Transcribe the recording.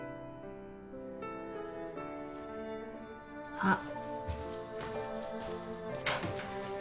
あっ！